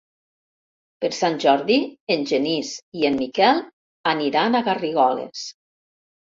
Per Sant Jordi en Genís i en Miquel aniran a Garrigoles.